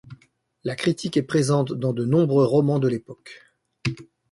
La critique est présente dans de nombreux romans de l'époque.